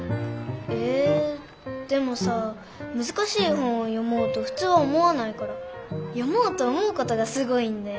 えでもさ難しい本を読もうと普通は思わないから読もうと思うことがすごいんだよ。